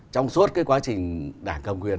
trong suốt quá trình đảng cầm quyền